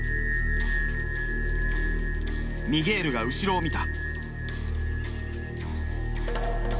ミゲールが後ろを見た。